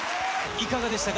いかがでしたか？